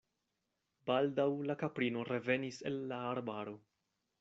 Baldaŭ la kaprino revenis el la arbaro.